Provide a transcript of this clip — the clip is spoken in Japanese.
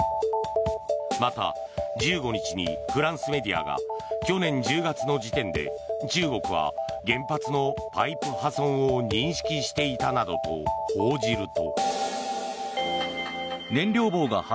また１５日にフランスメディアが去年１０月の時点で中国は原発のパイプ破損を認識していたなどと報じると。